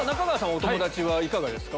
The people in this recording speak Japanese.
お友達いかがですか？